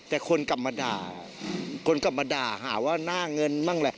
แต่คนกรรมดาคนกรรมดาหาว่าน่าเงินบ้างแหละ